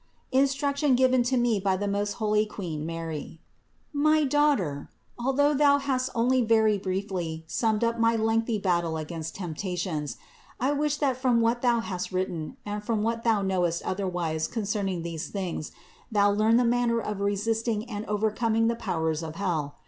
INSTRUCTION GIVEN TO ME BY THE MOST HOLY QUEEN MARY. 354. My daughter, although thou hast only very briefly summed up my lengthy battle against temptations, I wish that from what thou hast written and from what thou knowest otherwise concerning these things, thou learn the manner of resisting and overcoming the powers of hell.